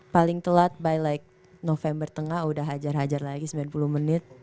paling telat by like november tengah udah hajar hajar lagi sembilan puluh menit